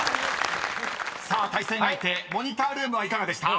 ［さあ対戦相手モニタールームはいかがでした？］